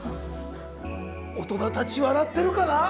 大人たち笑ってるかな？